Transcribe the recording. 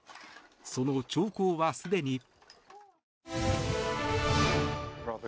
その兆候はすでに。